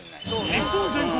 日本全国